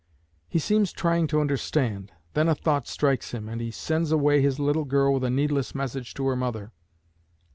He seems trying to understand. Then a thought strikes him, and he sends away his little girl with a needless message to her mother.